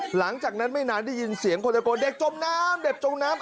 หลังจากนั้นไม่นานได้ยินเสียงคนตะโกนเด็กจมน้ำเด็กจมน้ำ